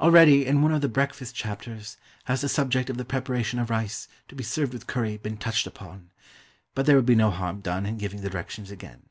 Already, in one of the breakfast chapters, has the subject of the preparation of rice, to be served with curry, been touched upon; but there will be no harm done in giving the directions again.